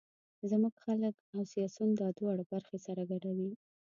زموږ خلک او سیاسون دا دواړه برخې سره ګډوي.